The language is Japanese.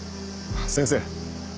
先生。